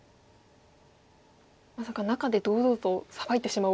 まさか中で堂々とサバいてしまおうという。